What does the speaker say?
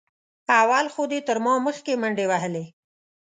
اول خو دې تر ما مخکې منډې وهلې.